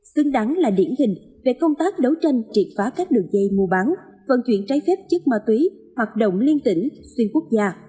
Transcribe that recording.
xứng đáng là điển hình về công tác đấu tranh triệt phá các đường dây mua bán vận chuyển trái phép chất ma túy hoạt động liên tỉnh xuyên quốc gia